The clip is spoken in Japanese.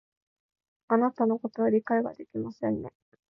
あなたのことを理解ができませんね